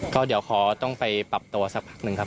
ก็เดี๋ยวขอต้องไปปรับตัวสักพักหนึ่งครับ